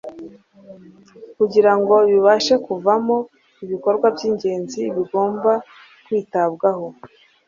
kugirango bibashe kuvamo ibikorwa by'ingenzi bigomba kwitabwaho